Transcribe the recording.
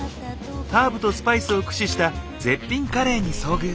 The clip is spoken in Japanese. ハーブとスパイスを駆使した絶品カレーに遭遇！